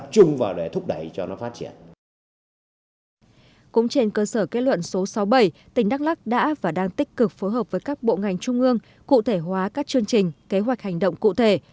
cũng trên cơ sở kết luận số sáu bảy tỉnh đắk lắc đã và đang tích cực phối hợp với các bộ ngành trung ương cụ thể hóa các chương trình kế hoạch hành động cụ thể